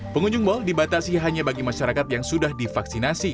pengunjung mal dibatasi hanya bagi masyarakat yang sudah divaksinasi